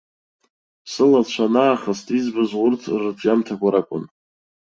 Сылацәа анаахыст избаз урҭ рырҿиамҭақәа ракәын.